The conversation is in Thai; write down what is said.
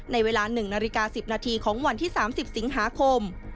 ในเวลา๑นาฬิกา๑๐นาทีของวันที่๓๐สิงหาคม